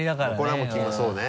これはもうそうね。